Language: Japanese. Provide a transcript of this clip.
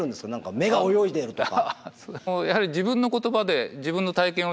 目が泳いでるとか。